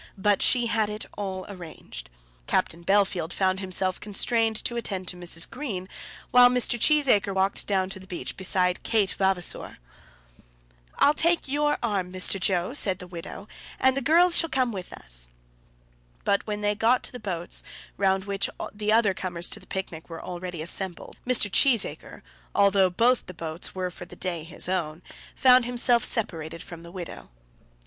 But she had it all arranged. Captain Bellfield found himself constrained to attend to Mrs. Green, while Mr. Cheesacre walked down to the beach beside Kate Vavasor. "I'll take your arm, Mr. Joe," said the widow, "and the girls shall come with us." But when they got to the boats, round which the other comers to the picnic were already assembled, Mr. Cheesacre, although both the boats were for the day his own, found himself separated from the widow.